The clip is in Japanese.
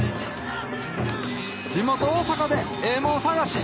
地元大阪でええもん探し！